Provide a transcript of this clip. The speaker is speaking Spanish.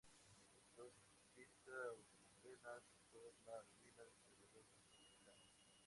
Autopista Guarenas, Sector la Urbina, Distribuidor Metropolitano.